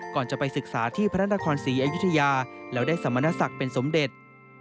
ก่อนจะไปศึกษาที่พระนครศรีอยุธยาแล้วได้สมณศักดิ์เป็นสมเด็จ